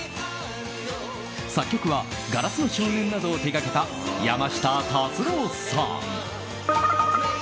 作曲は、「硝子の少年」などを手掛けた山下達郎さん。